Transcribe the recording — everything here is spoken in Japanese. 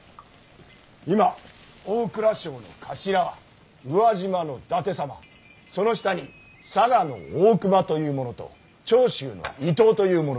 今大蔵省の頭は宇和島の伊達様その下に佐賀の大隈というものと長州の伊藤というものがおる。